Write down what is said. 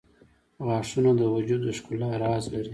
• غاښونه د وجود د ښکلا راز لري.